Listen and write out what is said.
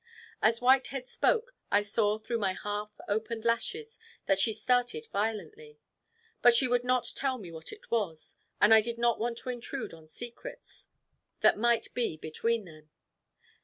As Whitehead spoke, I saw through my half open lashes that she started violently; but she would not tell me what it was, and I did not want to intrude on secrets that might be between them.